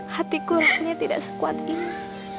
hatiku rasanya tidak sekuat ini